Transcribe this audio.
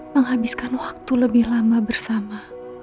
menghabiskan waktu lebih lama bersama